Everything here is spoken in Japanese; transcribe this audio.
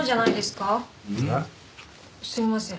すみません。